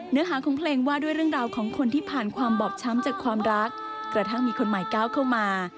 เนื้อหาของเพลงว่าด้วยเรื่องราวของคนที่ผ่านความบอบช้ำจากความรักกระทั่งมีคนใหม่ก้าวเข้ามา